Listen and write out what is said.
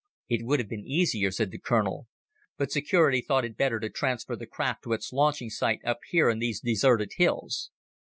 "It would have been easier," said the colonel, "but security thought it better to transfer the craft to its launching sight up here in these deserted hills.